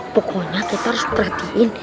pokoknya kita harus perhatiin